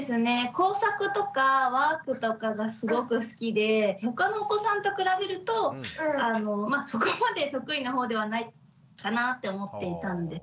工作とかワークとかがすごく好きでほかのお子さんと比べるとそこまで得意な方ではないかなって思っていたんで。